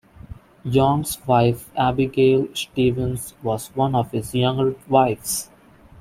Young's wife Abigail Stevens was one of his younger wives.